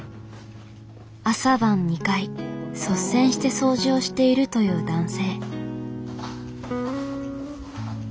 朝晩２回率先して掃除をしているという男性。